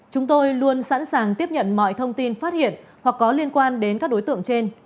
chúng tôi luôn sẵn sàng tiếp nhận mọi thông tin phát hiện hoặc có liên quan đến các đối tượng trên